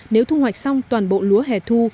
nếu thu hoạch xong toàn bộ lúa hẻ thu